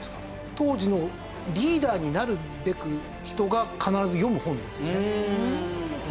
当時のリーダーになるべく人が必ず読む本ですよね。